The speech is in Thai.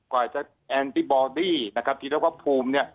กว่าแอนติบอดี้ที่เรียกว่าภูมิ